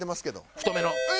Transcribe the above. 太めの。